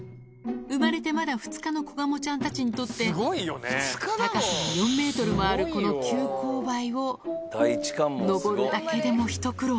生まれてまだ２日の子ガモちゃんたちにとって、高さが４メートルもあるこの急こう配を上るだけでもひと苦労。